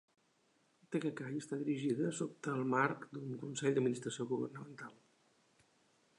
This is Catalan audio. Tega Cay està dirigida sota el marc d'un consell d'administració governamental.